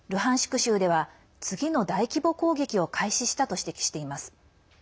州では次の大規模攻撃を開始したと指摘しています。